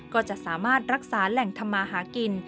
ก็จะสามารถรักษาแหล่งทำมาหากิน